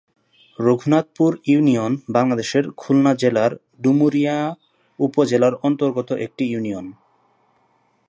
Raghunathpur union বাংলাদেশের খুলনা জেলার ডুমুরিয়া উপজেলার অন্তর্গত একটি ইউনিয়ন।